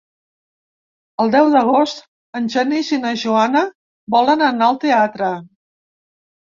El deu d'agost en Genís i na Joana volen anar al teatre.